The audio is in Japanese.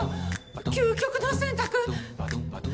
究極の選択！